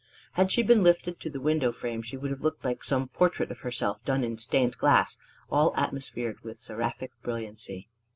Had she been lifted to the window frame, she would have looked like some portrait of herself done in stained glass all atmosphered with seraphic brilliancy.